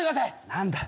何だ？